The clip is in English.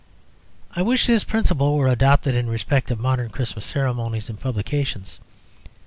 I wish this principle were adopted in respect of modern Christmas ceremonies and publications.